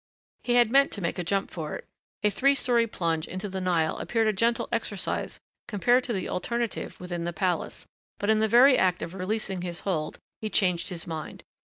He had meant to make a jump for it. A three story plunge into the Nile appeared a gentle exercise compared to the alternative within the palace, but in the very act of releasing his hold he changed his mind.